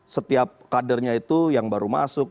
setiap kadernya itu yang baru masuk